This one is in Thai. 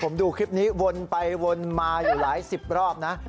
ผมดูคลิปนี้วนไปวนมาอยู่หลายสิบรอบนะ